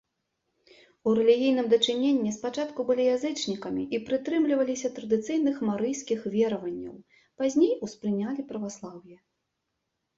У рэлігійным дачыненні спачатку былі язычнікамі і прытрымліваліся традыцыйных марыйскіх вераванняў, пазней успрынялі праваслаўе.